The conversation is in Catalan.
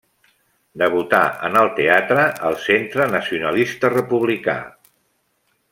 Debutà en el teatre al Centre Nacionalista Republicà.